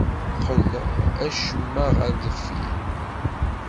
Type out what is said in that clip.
Qqel acemma ɣer deffir.